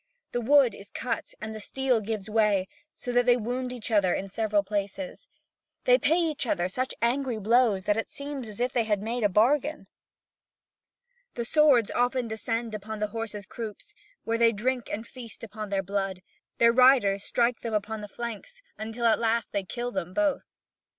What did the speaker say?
The wood is cut and the steel gives way, so that they wound each other in several places. They pay each other such angry blows that it seems as if they had made a bargain. The swords often descend upon the horses' croups, where they drink and feast upon their blood; their riders strike them upon the flanks until at last they kill them both.